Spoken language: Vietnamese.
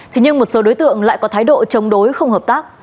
thế nhưng một số đối tượng lại có thái độ chống đối không hợp tác